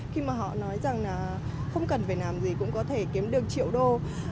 khi mà họ nói rằng là không cần phải làm gì cũng có thể kiếm được triệu đô